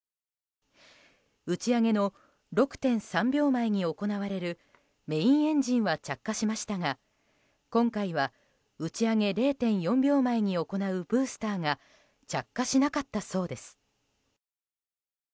打ち上げの６．３秒前に行われるメインエンジンは着火しましたが今回は、打ち上げ０．４秒前に行うブースターが着火しなかったそうです。